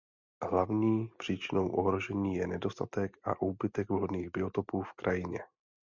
Hlavní příčinou ohrožení je nedostatek a úbytek vhodných biotopů v krajině.